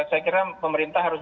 saya kira pemerintah harus